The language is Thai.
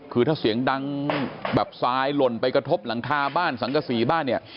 คือถ้าเสียงดังแบบทรายหล่นไปกระทบหลังคาบ้านสังกษีบ้านเนี่ย